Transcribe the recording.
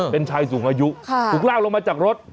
เป็นชายสูงอายุถูกลากลงมาจากรถ